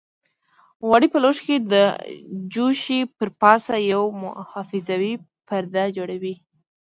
غوړي په لوښي کې د جوشې پر پاسه یو محافظوي پرده جوړوي.